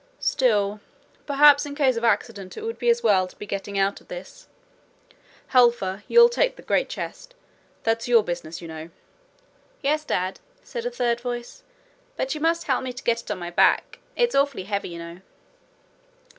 Still, perhaps, in case of accident it would be as well to be getting out of this. Helfer, you'll take the great chest. That's your business, you know.' 'Yes, dad,' said a third voice. 'But you must help me to get it on my back. It's awfully heavy, you know.'